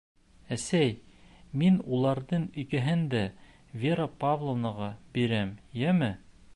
— Әсәй, мин уларҙың икеһен дә Вера Павловнаға бирәм, йәме?